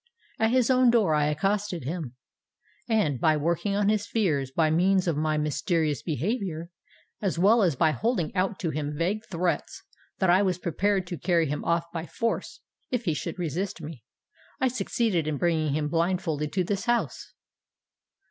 At his own door I accosted him; and, by working on his fears by means of my mysterious behaviour, as well as by holding out to him vague threats that I was prepared to carry him off by force, if he should resist me, I succeeded in bringing him blindfold to this house."